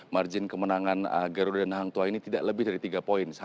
margin kemenangan garuda dan hangtua ini tidak lebih dari tiga poin